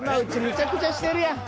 むちゃくちゃしてるやん。